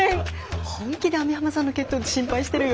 本気で網浜さんの血糖値心配してるよ。